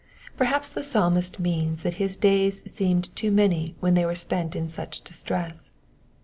Per haps the Psalmist means that his days seemed too many ^hen they were spent in such distress.